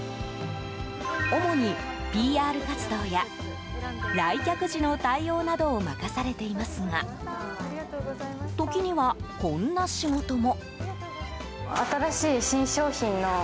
主に、ＰＲ活動や来客時の対応などを任されていますが時にはこんな仕事も。